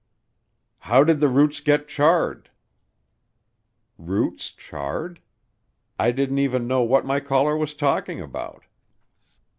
"How did the roots get charred?" Roots charred? I didn't even know what my caller was talking about.